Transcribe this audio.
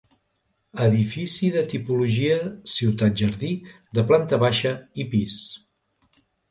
Edifici de tipologia ciutat-jardí, de planta baixa i pis.